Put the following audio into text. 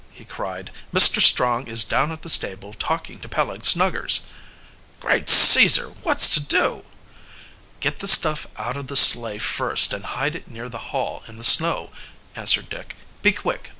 he cried. "Mr. Strong is down at the stable talking to Peleg Snuggers." "Great Caesar! What's to do?" "Get the stuff out of the sleigh first and hide it near the Hall in the snow," answered Dick. "Be quick!"